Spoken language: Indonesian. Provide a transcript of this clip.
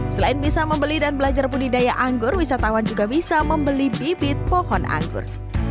selain bisa membeli dan belajar budidaya anggur wisatawan juga bisa membeli bibit pohon anggur